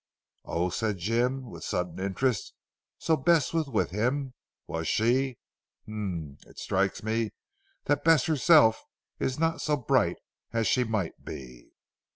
"Oh!" said Jim with sudden interest, "so Bess was with him, was she? H'm! It strikes me that Bess herself is not so bright as she might be."